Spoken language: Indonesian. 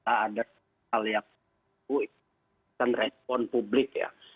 ada hal yang respon publik ya